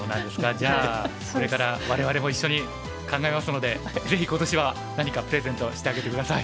じゃあこれから我々も一緒に考えますのでぜひ今年は何かプレゼントしてあげて下さい。